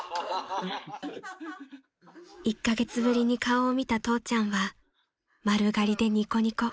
［１カ月ぶりに顔を見た父ちゃんは丸刈りでニコニコ］